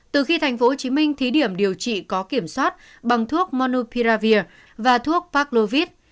từ khi tp hcm thí điểm điều trị có kiểm soát bằng thuốc monopiravir và thuốc paclovit